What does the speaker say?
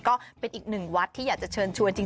ก็เป็นอีกหนึ่งวัดที่อยากจะเชิญชวนจริง